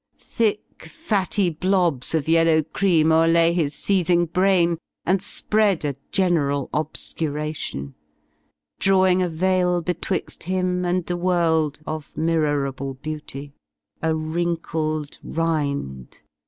Thick fatty blobs Of yellow cream overlay his seething brain And spread a general obscuration; Drawing a veil betwixt him and the world Of mirror able beauty — a wrinkled rind.